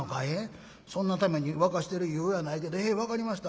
そんなために沸かしてる湯やないけどへえ分かりました。